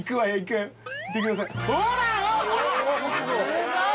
すごい！